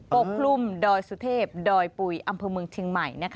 ปกคลุมดอยสุเทพดอยปุ๋ยอำเภอเมืองเชียงใหม่